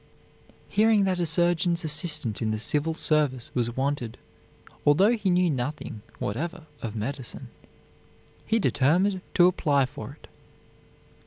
Hearing that a surgeon's assistant in the Civil Service was wanted, although he knew nothing whatever of medicine, he determined to apply for it.